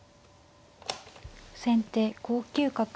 先手５九角。